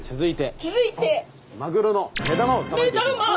続いてマグロの目玉をさばいていきます。